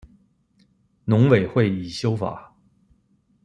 农委会已修法